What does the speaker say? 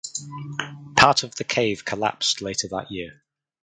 Part of the cave collapsed later that year.